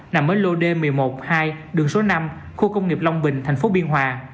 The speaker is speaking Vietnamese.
nằm ở lô d một mươi một hai đường số năm khu công nghiệp long bình thành phố biên hòa